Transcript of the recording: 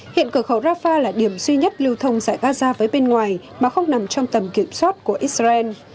hiện cửa khẩu rafah là điểm duy nhất lưu thông giải gaza với bên ngoài mà không nằm trong tầm kiểm soát của israel